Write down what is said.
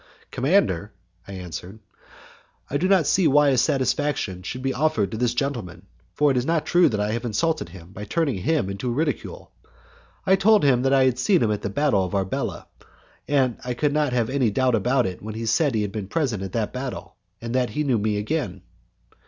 "Commander," I answered, "I do not see why a satisfaction should be offered to this gentleman, for it is not true that I have insulted him by turning him into ridicule. I told him that I had seen him at the battle of Arbela, and I could not have any doubt about it when he said that he had been present at that battle, and that he knew me again."